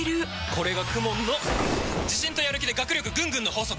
これがＫＵＭＯＮの自信とやる気で学力ぐんぐんの法則！